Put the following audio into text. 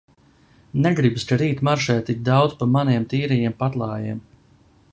Negribas, ka rīt maršē tik daudz pa maniem tīrajiem paklājiem.